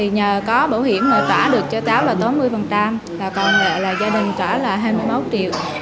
nhờ có bảo hiểm trả được cho cháu là bốn mươi còn gia đình trả là hai mươi một triệu